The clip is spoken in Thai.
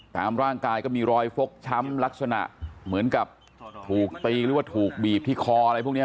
ตามร่างกายก็มีรอยฟกช้ำลักษณะเหมือนกับถูกตีหรือว่าถูกบีบที่คออะไรพวกนี้